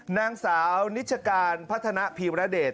นางสาวนิชการพัฒนาพีรเดช